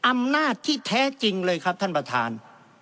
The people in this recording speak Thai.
อำนาจที่แท้จริงเลยครับท่านประธาน